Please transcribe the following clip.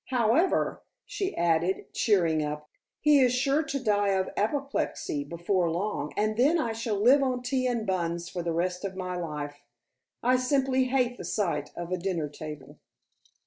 However," she added cheering up, "he is sure to die of apoplexy before long, and then I shall live on tea and buns for the rest of my life. I simply hate the sight of a dinner table."